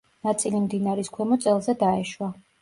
ნაწილი მდინარის ქვემო წელზე დაეშვა.